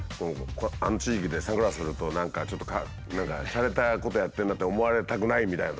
あの地域でサングラスすると何かちょっとしゃれたことやってんなって思われたくないみたいなさ。